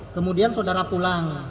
kemudian saudara pulang